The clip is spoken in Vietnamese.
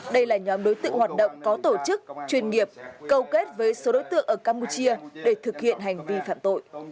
đây là nhóm đối tượng hoạt động có tổ chức chuyên nghiệp cầu kết với số đối tượng ở campuchia để thực hiện hành vi phạm tội